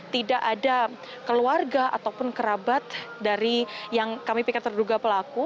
tidak ada keluarga ataupun kerabat dari yang kami pikir terduga pelaku